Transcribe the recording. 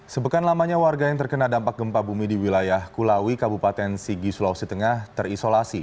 sebekan lamanya warga yang terkena dampak gempa bumi di wilayah kulawi kabupaten sigi sulawesi tengah terisolasi